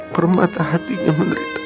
permata hatinya mengeritak